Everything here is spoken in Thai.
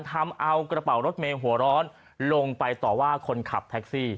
ทำเอากระเป๋ารถเมย์หัวร้อนลงไปต่อว่าคนขับแท็กซี่